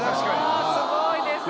すごいですね。